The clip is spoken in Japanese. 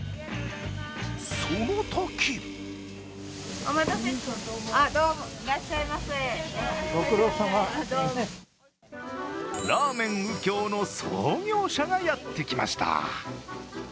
そのときらーめん右京の創業者がやってきました。